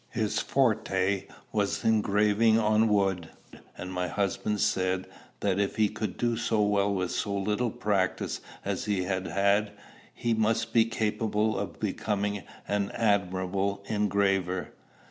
His forte was engraving on wood; and my husband said, that, if he could do so well with so little practice as he had had, he must be capable of becoming an admirable engraver.